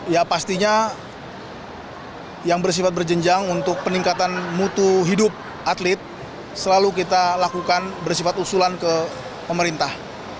ya pastinya yang bersifat berjenjang untuk peningkatan mutu hidup atlet selalu kita lakukan bersifat usulan ke pemerintah